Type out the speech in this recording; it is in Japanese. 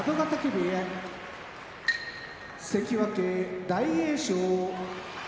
部屋関脇・大栄翔